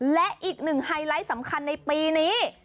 และอีกหนึ่งไฮไลท์สำคัญในปีนี้